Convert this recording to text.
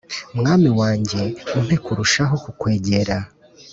Mwami wanjye umpe kurushaho kukwegera